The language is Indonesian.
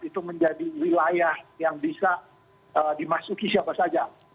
itu menjadi wilayah yang bisa dimasuki siapa saja